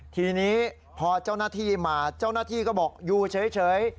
ทีนี้พอเจ้าหน้าที่มาเจ้าหน้าที่ก็บอกอยู่เฉย